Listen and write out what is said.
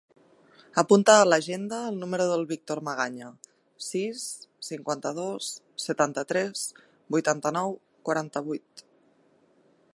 Apunta a l'agenda el número del Víctor Magaña: sis, cinquanta-dos, setanta-tres, vuitanta-nou, quaranta-vuit.